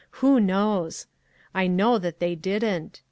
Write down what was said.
Who knows ? I know that they didn't.